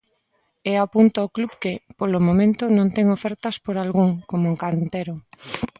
E apunta o club que, polo momento, non ten ofertas por algún, como Cantero.